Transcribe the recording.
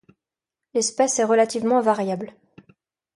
L'espèce est relativement variable.